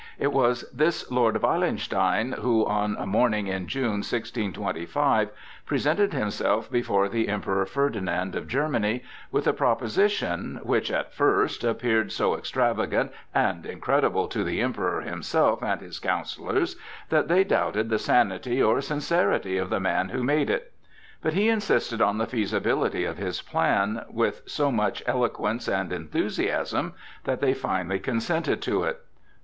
It was this Lord Wallenstein who on a morning in June, 1625, presented himself before the Emperor Ferdinand of Germany with a proposition which, at first, appeared so extravagant and incredible to the Emperor himself and to his counsellors that they doubted the sanity or sincerity of the man who made it. But he insisted on the feasibility of his plan with so much eloquence and enthusiasm that they finally consented to it.